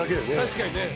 確かにね。